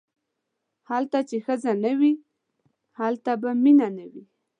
هلته چې ښځه نه وي هلته به مینه نه وي.